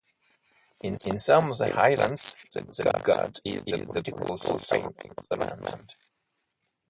In some of the islands the god is the political sovereign of the land.